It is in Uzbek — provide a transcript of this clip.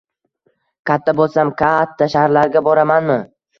Katta bo‘lsam, ka-a-atta shaharlarga boramanmi?